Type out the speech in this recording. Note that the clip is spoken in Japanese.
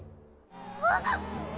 あっ！